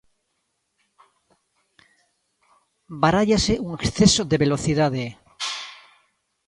Barállase un exceso de velocidade.